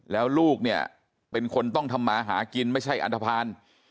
แล้วลูกเนี่ยเป็นคนต้องทำมาหากินไม่ใช่อันทภาณ